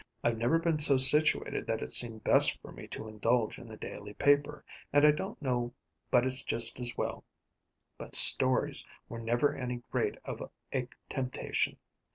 I've never been so situated that it seemed best for me to indulge in a daily paper, and I don't know but it's just as well; but stories were never any great of a temptation.